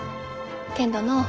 けんどのう